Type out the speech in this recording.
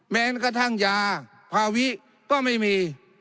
แม้กระทั่งยาภาวิก็ไม่มี